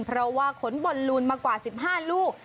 เพราะว่าขนบอลลูนมากว่า๑๕ลูก